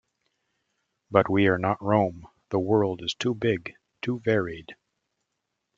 But we are not Rome; the world is too big, too varied.